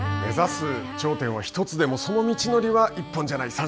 目指す頂点は１つでもその道のりは１本じゃない。